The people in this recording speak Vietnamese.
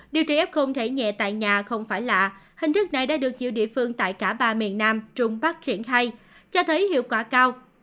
điều trị f thể nhẹ tại nhà không phải lạ hình thức này đã được nhiều địa phương tại cả ba miền nam trung bắc triển khai cho thấy hiệu quả cao